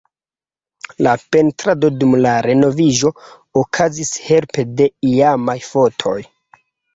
La pentrado dum la renoviĝo okazis helpe de iamaj fotoj.